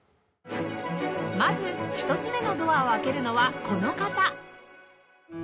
まず１つ目のドアを開けるのはこの方